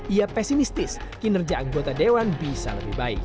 ia pesimistis kinerja anggota dewan bisa lebih baik